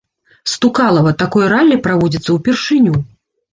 Стукалава, такое раллі праводзіцца ўпершыню.